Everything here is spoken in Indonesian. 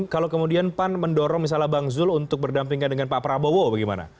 kalau kemudian pan mendorong misalnya bang zul untuk berdampingan dengan pak prabowo bagaimana